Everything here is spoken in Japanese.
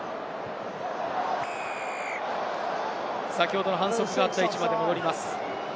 先ほどの反則があった位置まで戻ります。